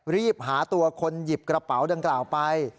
รีบหาตัวคนหยิบกระเป๋าดังกล่าวไป